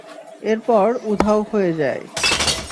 এর পর উধাও হয়ে যায়।